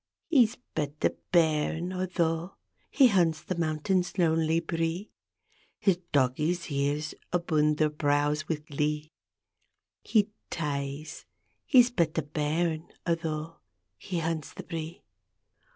He's but a bairn, atho' He hunts the mountain's lonely bree, His doggies' ears abune their brows wi' glee He ties; he's but a bairn, atho' He hunts the bree.